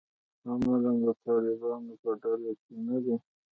عملاً د طالبانو په ډله کې نه دي.